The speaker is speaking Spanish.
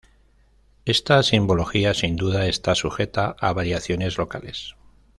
Esta simbología, sin duda, está sujeta a variaciones locales.